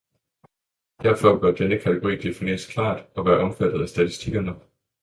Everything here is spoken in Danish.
Derfor bør denne kategori defineres klart og være omfattet af statistikkerne.